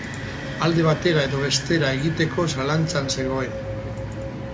Alde batera edo bestera egiteko zalantzan zegoen.